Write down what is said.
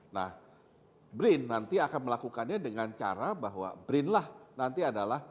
nah brin nanti akan melakukannya dengan cara bahwa brin lah nanti adalah